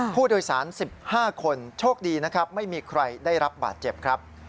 ผู้โดยสาร๑๕คนโชคดีนะครับไม่มีใครได้รับบาดเจ็บครับ